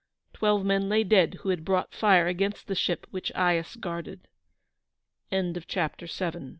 Twelve men lay dead who had brought fire against the ship which Aias guarded. THE SLAYING AND AV